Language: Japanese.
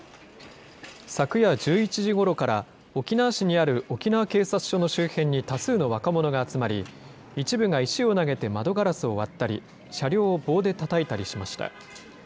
昨夜１１時ごろから、沖縄市にある沖縄警察署の周辺に多数の若者が集まり、一部が石を投げて、窓ガラスを割ったり、車両を棒でたたいたりしました。